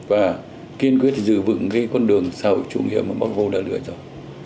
và kiên quyết giữ vững con đường xã hội chủ nghĩa mà bác vô đã lựa chọn